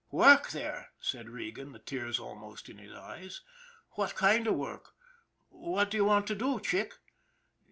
" Work there ?" said Regan, the tears almost in his eyes. " What kind of work ? What do you want to do, Chick?"